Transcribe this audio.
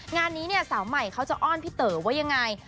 งานนี้เนี่ยสาวใหม่เขาจะอ้อนพี่เต๋อว่ายังไง